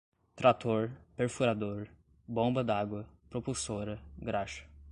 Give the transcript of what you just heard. trator, perfurador, bomba d'água, propulsora, graxa